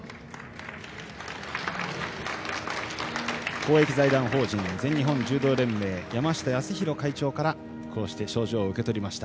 公益財団法人全日本柔道連盟山下泰裕会長から賞状を受け取りました。